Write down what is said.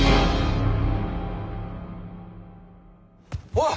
おい！